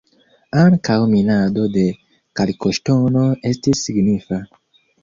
Ankaŭ minado de kalkoŝtono estis signifa.